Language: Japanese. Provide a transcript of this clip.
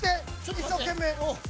一生懸命。